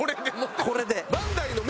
これで。